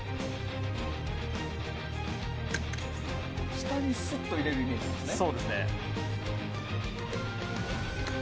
下にすっと入れるイメージなんですね。